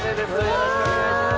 よろしくお願いします。